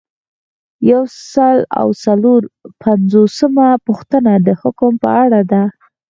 یو سل او څلور پنځوسمه پوښتنه د حکم په اړه ده.